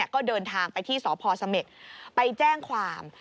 ก็เดินทางไปที่สพเสม็ดไปแจ้งความ